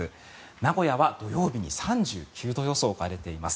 名古屋は土曜日に３９度予想が出ています。